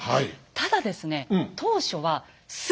ただですね